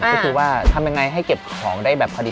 ก็คือว่าทำยังไงให้เก็บของได้แบบพอดี